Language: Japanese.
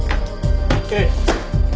ええ。